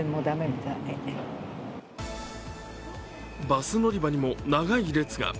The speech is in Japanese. バス乗り場にも長い列が。